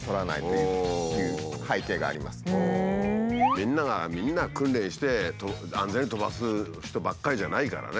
みんながみんな訓練して安全に飛ばす人ばっかりじゃないからね。